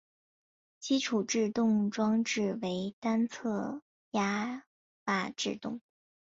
基础制动装置为单侧闸瓦制动。